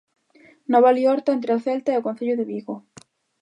Nova liorta entre o Celta e o Concello de Vigo.